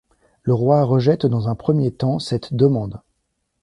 Le roi rejette dans un premier temps cette demande.